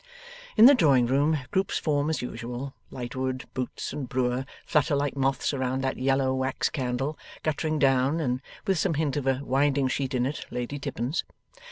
In the drawing room, groups form as usual. Lightwood, Boots, and Brewer, flutter like moths around that yellow wax candle guttering down, and with some hint of a winding sheet in it Lady Tippins.